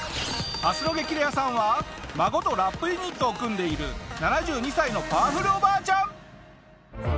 明日の『激レアさん』は孫とラップユニットを組んでいる７２歳のパワフルおばあちゃん。